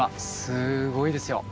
すごいですよ。